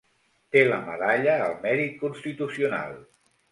Té la Medalla al Mèrit Constitucional.